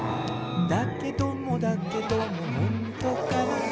「だけどもだけどもほんとかな」